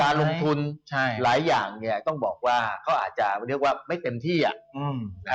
การลงทุนหลายอย่างเนี่ยต้องบอกว่าเขาอาจจะไม่เต็มที่อะ